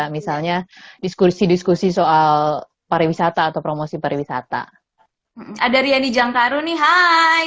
misalnya diskusi diskusi soal pariwisata atau promosi pariwisata ada riani jangkaru nih hai